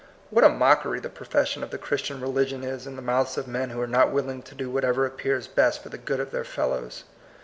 What a mockery the profession of the Christian religion is in the mouths of men who are not willing to do whatever appears best for the good of their fellows